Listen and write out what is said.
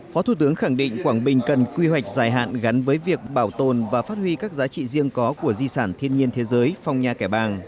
phó thủ tướng khẳng định quảng bình cần quy hoạch dài hạn gắn với việc bảo tồn và phát huy các giá trị riêng có của di sản thiên nhiên thế giới phong nha kẻ bàng